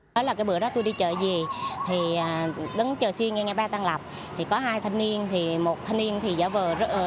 đó là cái bữa đó tôi đi chợ gì thì đứng chợ xi nghe nghe ba tăng lọc thì có hai thân niên một thân niên thì giả vờ